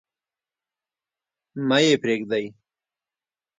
مه يې پريږدﺉ.